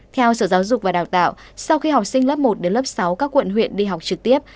theo sở giáo dục và đào tạo sau khi học sinh lớp một đến lớp sáu các quận huyện đi học trực tiếp